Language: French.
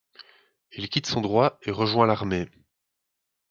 Il quitte son droit et rejoint l'armée.